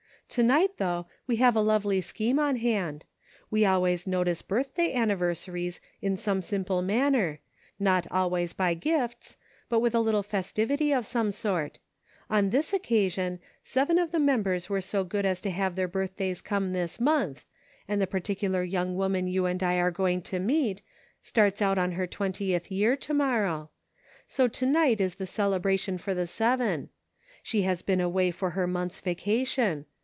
" To night, though, we have a lovely scheme on hand : we always notice birthday anniversaries in some simple manner, not always by gifts, but with a little festivity of some sort ; on this occasion, seven of the members were so good as to have their birthdays come this month, and the particu lar young woman you and I are going to meet, starts out on her twentieth year to morrow ; so HOME, 303 to night is the celebration for the seven. She has been away for her month's vacation.